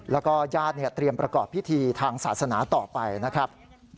แล้วก็ญาติเตรียมประกอบพิธีทางศาสนาต่อไปนะครับ